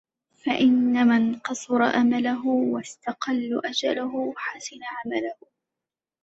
فَإِنَّ مَنْ قَصَّرَ أَمَلَهُ ، وَاسْتَقَلَّ أَجَلَهُ ، حَسُنَ عَمَلُهُ